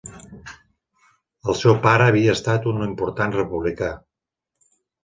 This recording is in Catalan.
El seu pare havia estat un important republicà.